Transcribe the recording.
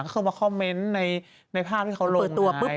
เขาก็เคยมาคอมเม้นต์ในภาพที่เขาลงไง